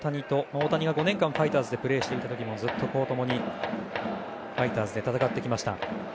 大谷が５年間ファイターズでプレーしていた時もずっと共にファイターズで戦ってきました。